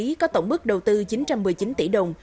nam lý có tổng mức đầu tư chín trăm một mươi chín tỷ đồng